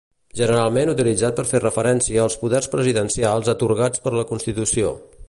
Generalment utilitzat per fer referència als poders presidencials atorgats per la constitució.